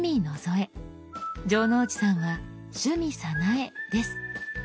城之内さんは「趣味早苗」です。